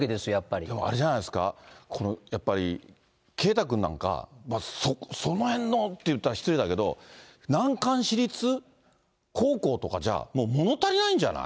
あれじゃないですか、やっぱり圭太君なんか、そのへんのって言ったら失礼だけど、難関私立高校とかじゃ、もうもの足りないんじゃない？